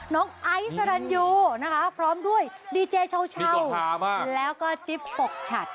ไอซ์สรรยูนะคะพร้อมด้วยดีเจเช่าแล้วก็จิ๊บปกฉัด